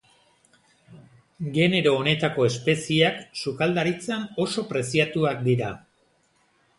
Genero honetako espezieak sukaldaritzan oso preziatuak dira.